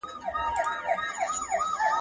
او که ریشتیا درته ووایم `